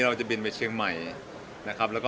เราจะบินไปเชียงใหม่นะครับ